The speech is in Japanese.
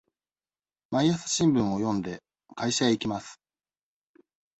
毎朝新聞を読んで、会社へ行きます。